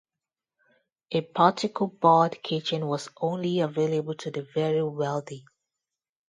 A particle board kitchen was only available to the very wealthy.